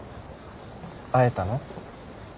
会えたの？